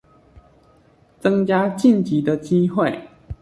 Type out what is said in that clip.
增加晉級的機會